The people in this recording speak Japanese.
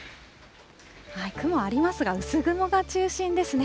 雲ありますが、薄雲が中心ですね。